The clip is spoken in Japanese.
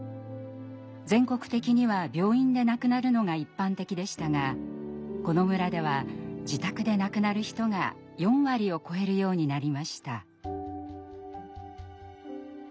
全国的には病院で亡くなるのが一般的でしたがこの村では自宅で亡くなる人が４割を超えるようになりました。